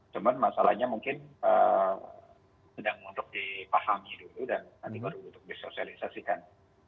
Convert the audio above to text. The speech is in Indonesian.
cuman masalahnya mungkin sedang untuk dipahami dulu dan nanti baru untuk disosialisasikan